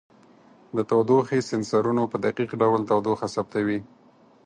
د تودوخې سینسرونو په دقیق ډول تودوخه ثبتوي.